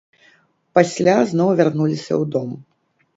Пасля зноў вярнуліся ў дом.